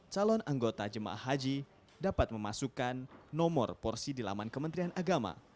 calon anggota jemaah haji dapat memasukkan nomor porsi di laman kementerian agama